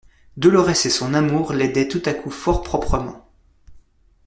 Dolorès et son amour l'aidaient tout à coup fort proprement.